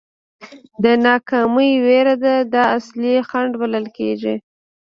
د ناکامۍ وېره ده دا اصلي خنډ بلل کېږي.